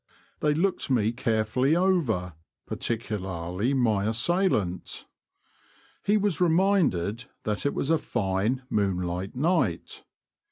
They looked me carefully over, par ticularly my assailant. He was reminded that it was a fine, moonlight night.